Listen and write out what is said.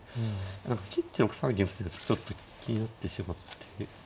何か切って６三銀をちょっと気になってしまって。